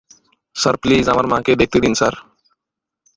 Sir, please আমার মাকে দেখতে দিন স্যার।